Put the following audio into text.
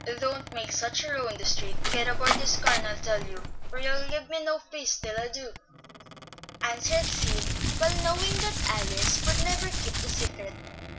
"Don't make such a row in the street. Get aboard this car and I'll tell you, for you'll give me no peace till I do," answered Sid, well knowing that Alice would never keep the secret.